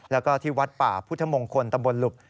แล้วก็ที่วัดป่าพุทธมงคลตำบลหลุบ